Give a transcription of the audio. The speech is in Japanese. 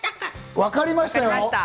わかりましたよ。